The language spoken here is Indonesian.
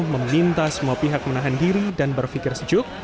meminta semua pihak menahan diri dan berpikir sejuk